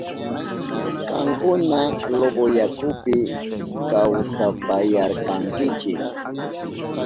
Kankuna Loboyakupi kawsapayarkankichi.